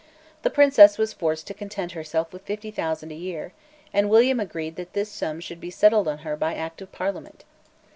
The Princess was forced to content herself with fifty thousand a year; and William agreed that this sum should be settled on her by Act of Parliament.